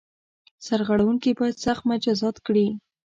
سرغړوونکي باید سخت مجازات کړي.